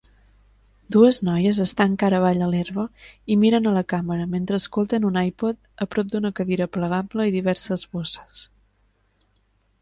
Dues noies estan cara avall a l'herba i miren a la càmera mentre escolten un iPod a prop d'una cadira plegable i diverses bosses